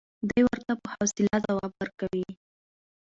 دی ورته په حوصله ځواب ورکوي.